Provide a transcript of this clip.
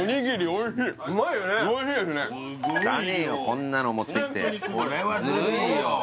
こんなの持ってきてこれはズルいよ